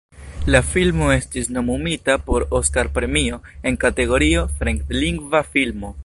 La filmo estis nomumita por Oskar-premio en kategorio "fremdlingva filmo".